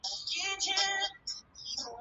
吉隆红螯蛛为管巢蛛科红螯蛛属的动物。